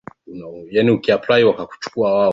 watu tisa wameripotiwa kuaga dunia katika tukio hilo